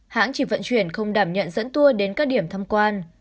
hãng chỉ vận chuyển không đảm nhận dẫn tour đến các điểm thăm quan